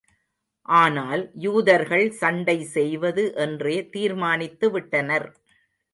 ஆனால், யூதர்கள் சண்டை செய்வது என்றே தீர்மானித்து விட்டனர்.